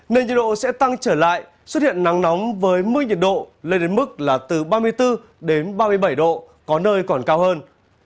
nên nhiệt độ sẽ tăng trở lại xuất hiện nắng nóng với mức nhiệt độ lên đến mức là từ ba mươi bốn đến ba mươi bảy độ có nơi còn cao hơn